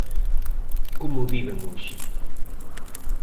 Como viven hoxe?